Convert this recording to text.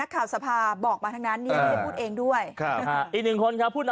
ความหมายที่พูดก็